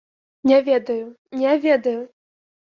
Не ведаю, не ведаю.